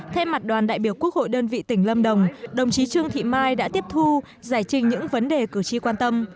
thay mặt đoàn đại biểu quốc hội đơn vị tỉnh lâm đồng đồng chí trương thị mai đã tiếp thu giải trình những vấn đề cử tri quan tâm